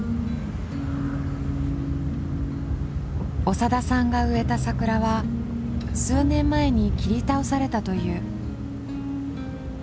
長田さんが植えた桜は数年前に切り倒されたという。